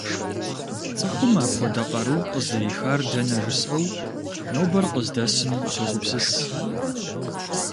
ЦӀыхум апхуэдэ къару къыздрихар дэнэ жысӀэу, нобэр къыздэсым согупсыс.